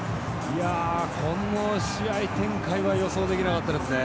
この試合展開は予想できなかったですね。